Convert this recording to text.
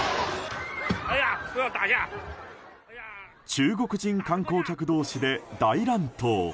中国人観光客同士で大乱闘。